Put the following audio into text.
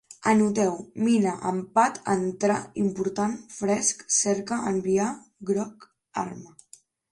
Anoteu: mina, empat, entrar, important, fresc, cerca, enviar, groc, arma